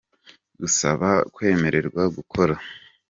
Gusaba kwemererwa gukora